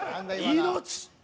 命！